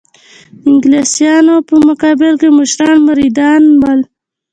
د انګلیسیانو په مقابل کې مشران مریدان ول.